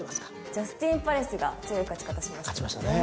ジャスティンパレスが強い勝ち方しましたけどね。